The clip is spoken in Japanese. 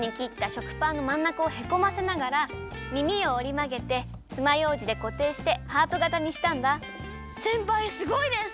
しょくパンのまんなかをへこませながらみみをおりまげてつまようじでこていしてハートがたにしたんだせんぱいすごいです！